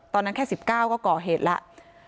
ตอนนั้นแค่๑๙ก็ก่อเหตุแล้ว